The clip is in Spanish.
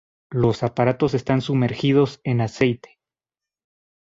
Los aparatos están sumergidos en aceite.